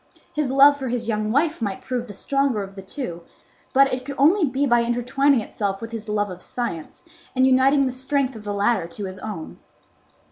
His love for his young wife might prove the stronger of the two; but it could only be by intertwining itself with his love of science, and uniting the strength of the latter to his own.